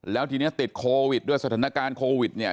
แล้วทีนี้ติดโควิดด้วยสถานการณ์โควิดเนี่ย